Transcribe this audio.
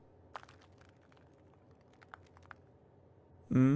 うん。